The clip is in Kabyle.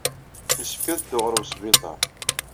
Yessefk ad dduɣ ɣer wesbiṭar.